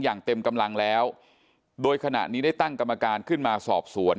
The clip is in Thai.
อย่างเต็มกำลังแล้วโดยขณะนี้ได้ตั้งกรรมการขึ้นมาสอบสวน